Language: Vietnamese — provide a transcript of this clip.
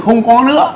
không có nữa